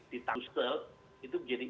di tangsel itu menjadi